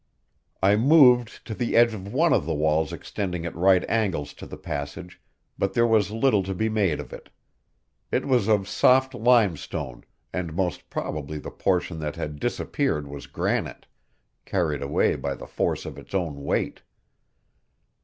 I moved to the edge of one of the walls extending at right angles to the passage, but there was little to be made of it. It was of soft limestone, and most probably the portion that had disappeared was granite, carried away by the force of its own weight.